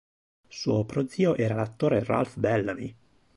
Suo prozio era l'attore Ralph Bellamy.